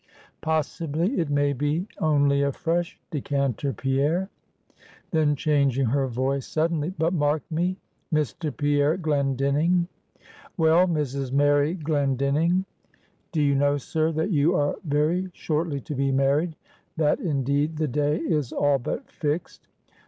"Possibly it may be only a fresh decanter, Pierre;" then changing her voice suddenly "but mark me, Mr. Pierre Glendinning!" "Well, Mrs. Mary Glendinning!" "Do you know, sir, that you are very shortly to be married, that indeed the day is all but fixed?"